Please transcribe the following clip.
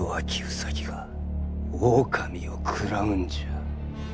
兎が狼を食らうんじゃ。